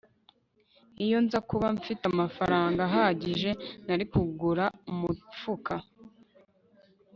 Iyo nza kuba mfite amafaranga ahagije nari kugura umufuka